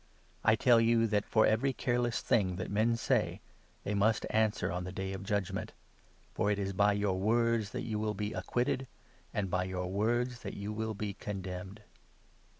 I 36 tell you that for every careless thing that men say, they must answer on the ' Day of Judgement.' For it is by your words 37 that you will be acquitted, and by your words that you will be condemned."